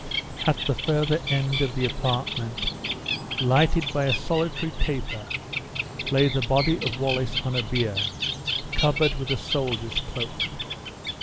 At the further end of the apartment, lighted by a solitary taper, lay the body of Wallace on a bier, covered with a soldier's cloak.